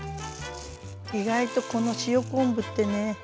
意外とこの塩昆布ってね